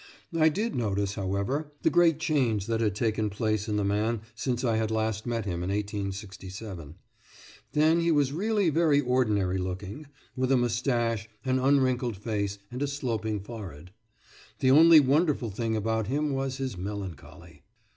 I did notice, however, the great change that had taken place in the man since I had last met him in 1867. Then he was really very ordinary looking with a moustache, an unwrinkled face, and a sloping forehead. The only wonderful thing about him was his melancholy.